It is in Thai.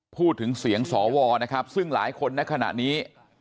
พูดถึงเสียงสวนะครับซึ่งหลายคนในขณะนี้